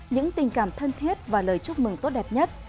những tình cảm thân thiết và lời chúc mừng tốt đẹp nhất